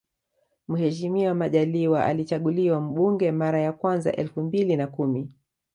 Mheshimiwa Majaliwa alichaguliwa mbunge mara ya kwanza elfu mbili na kumi